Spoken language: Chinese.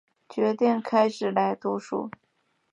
决定开始来读书